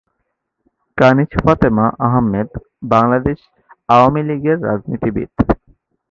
কানিজ ফাতেমা আহমেদ বাংলাদেশ আওয়ামী লীগের রাজনীতিবিদ।